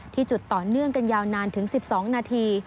จุดต่อเนื่องกันยาวนานถึง๑๒นาที